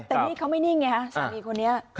แต่นี่เขาไม่นิ่งไงฮะสามีคนนี้